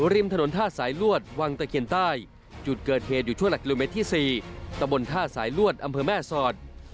ริมถนนท่าสายลวดวังตะเคียนใต้จุดเกิดเหตุอยู่ชั่วหลักกิโลเมตรที่๔ตะบนท่าสายลวดอำเภอแม่สอด